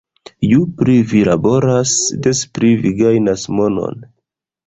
Ju pli vi laboras, des pli vi gajnas monon